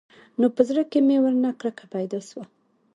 نو په زړه کښې مې ورنه کرکه پيدا سوه.